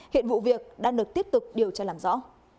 hiện vụ việc đang được tiếp tục điều tra làm rõ